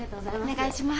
お願いします。